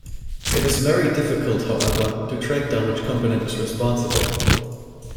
It is very difficult, however, to track down which component is responsible.